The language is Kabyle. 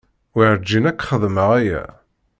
Werǧin ad k-xedmeɣ aya.